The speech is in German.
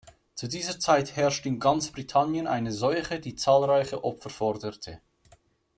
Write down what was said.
Zu dieser Zeit herrschte in ganz Britannien eine Seuche, die zahlreiche Opfer forderte.